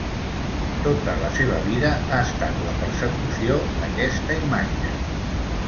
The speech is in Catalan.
Tota la seva vida ha estat la persecució d'aquesta imatge.